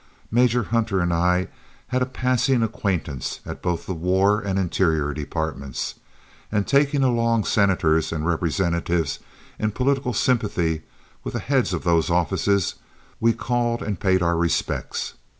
Major Hunter and I had a passing acquaintance at both the War and Interior departments, and taking along senators and representatives in political sympathy with the heads of those offices, we called and paid our respects.